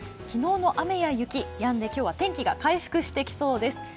昨日の雨や雪やんで、今日は天気が回復してきそうです。